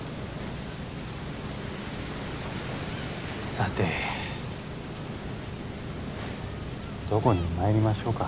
さてどこに参りましょうか。